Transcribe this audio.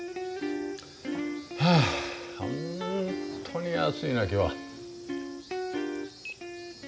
はあ本当に暑いな今日は。